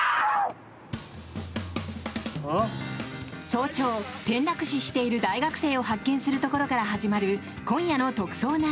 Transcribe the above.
早朝、転落死している大学生を発見するところから始まる今夜の「特捜９」。